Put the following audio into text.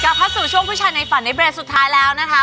เข้าสู่ช่วงผู้ชายในฝันในเบรกสุดท้ายแล้วนะคะ